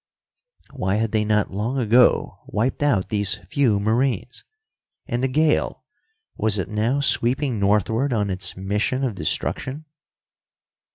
Why had they not long ago wiped out these few Marines? And the gale was it now sweeping northward on its mission of destruction?